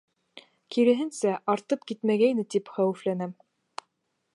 Киреһенсә, артып китмәгәйе тип хәүефләнәм...